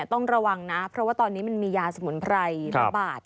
ต้องระวังนะเพราะว่าตอนนี้มันมียาสมุนไพรระบาด